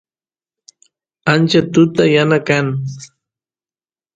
ancha tuta yana kan